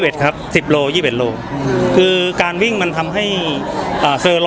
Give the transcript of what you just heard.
สิบโลครับสิบโลยี่บเริจโลอือคือการวิ่งมันทำให้อ่า